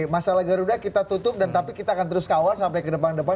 masalah garuda kita tutup dan tapi kita akan terus kawal sampai ke depan depan